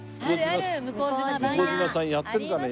向島さんやってるかね？